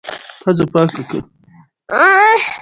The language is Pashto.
افغانستان د ښارونه په اړه مشهور تاریخی روایتونه لري.